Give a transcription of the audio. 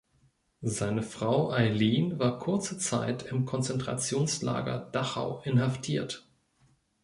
Seine Frau Eileen war kurze Zeit im Konzentrationslager Dachau inhaftiert.